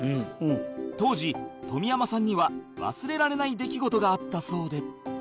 当時冨山さんには忘れられない出来事があったそうで